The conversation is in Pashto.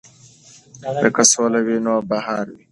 که سوله وي نو بهار وي.